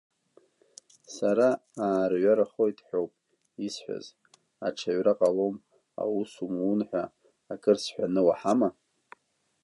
Сара аарҩарахоит ҳәоуп исҳәаз, аҽаҩра ҟалом, аус умун ҳәа акыр сҳәаны уаҳама?!